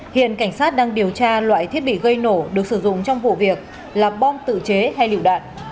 hiện cảnh sát đang điều tra loại thiết bị gây nổ được sử dụng trong vụ việc là bom tự chế hay lựu đạn